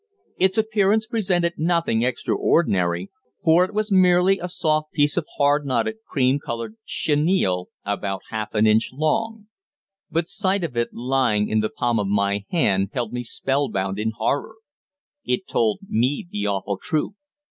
Its appearance presented nothing extraordinary, for it was merely a soft piece of hard knotted cream coloured chenille about half an inch long. But sight of it lying in the palm of my hand held me spellbound in horror. It told me the awful truth.